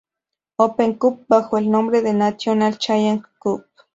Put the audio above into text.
Open Cup, bajo el nombre de "National Challenge Cup".